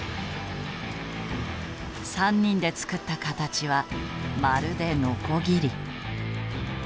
３人で作った形はまるでノコギリ。